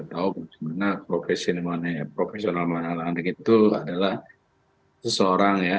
gak tahu bagaimana profesional money laundering itu adalah seseorang ya